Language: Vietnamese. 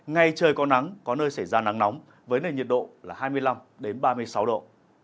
ngày trời có nắng có nơi xảy ra nắng nóng với nền nhiệt độ là hai mươi năm ba mươi sáu độ